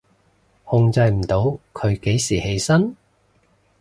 控制唔到佢幾時起身？